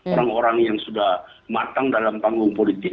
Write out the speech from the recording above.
orang orang yang sudah matang dalam panggung politik